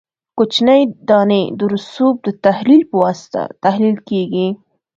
کوچنۍ دانې د رسوب د تحلیل په واسطه تحلیل کیږي